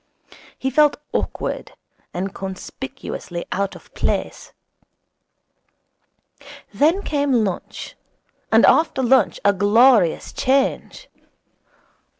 He felt awkward and conspicuously out of place. Then came lunch and after lunch a glorious change.